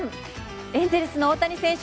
エンゼルスの大谷選手